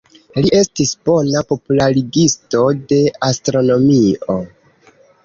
Li estis bona popularigisto de astronomio.